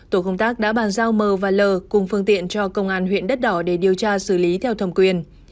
tổ công tác đã bàn giao mờ và lờ cùng phương tiện cho công an huyện đất đỏ để điều tra xử lý theo thầm quyền